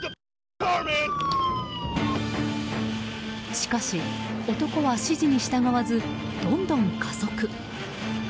しかし、男は指示に従わずどんどん加速。